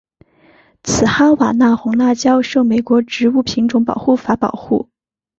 此哈瓦那红辣椒受美国植物品种保护法保护。